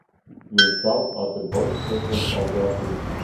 Myn frou hat de boadskippen al wer dien.